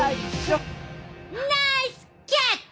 ナイスキャッチ！